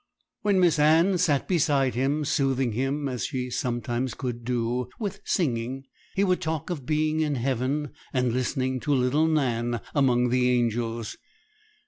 When Miss Anne sat beside him, soothing him, as she sometimes could do, with singing, he would talk of being in heaven, and listening to little Nan among the angels.